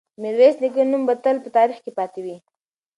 د میرویس نیکه نوم به تل په تاریخ کې پاتې وي.